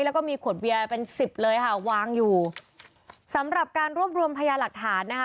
แล้วก็มีขวดเบียร์เป็นสิบเลยค่ะวางอยู่สำหรับการรวบรวมพยาหลักฐานนะคะ